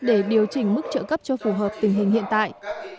để điều chỉnh mức trợ cấp cho phù hợp tình hình hiện tại